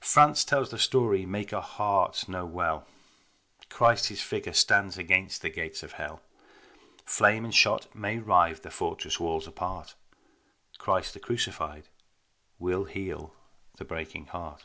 France tells the story, make our hearts know well, Christ His Figure stands against the gates of hell: Flame and shot may rive the fortress walls apart, Christ the Crucified will heal the breaking heart.